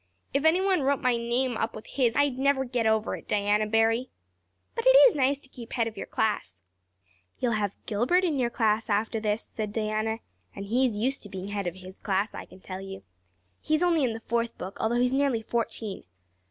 If anyone wrote my name up with his I'd never get over it, Diana Barry. But it is nice to keep head of your class." "You'll have Gilbert in your class after this," said Diana, "and he's used to being head of his class, I can tell you. He's only in the fourth book although he's nearly fourteen.